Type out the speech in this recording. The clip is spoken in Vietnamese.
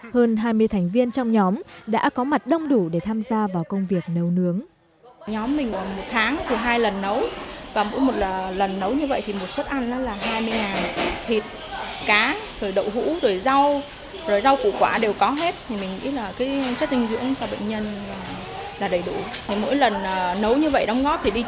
hơn hai mươi thành viên trong nhóm đã có mặt đông đủ để tham gia vào công việc nấu nướng